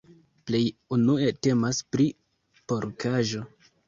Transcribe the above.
Plej unue temas pri porkaĵo.